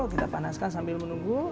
kita panaskan sambil menunggu